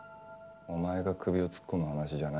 お前が首を突っ込む話じゃないんだよ。